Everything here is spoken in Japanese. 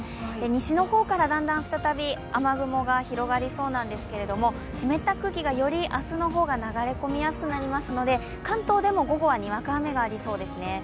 西の方からだんだん再び雨雲が広がりそうなんですけれども湿った空気が、より明日の方が流れ込みやすくなるので、関東でも午後はにわか雨がありそうですね。